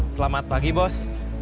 selamat pagi bos